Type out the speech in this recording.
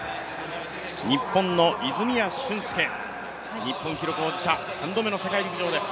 日本の泉谷駿介、日本記録保持者３度目の世陸陸上です。